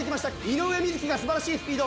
井上瑞稀が素晴らしいスピード。